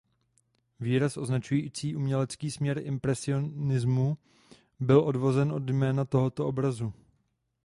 Výraz označující umělecký směr impresionismu byl odvozen od jména tohoto obrazu.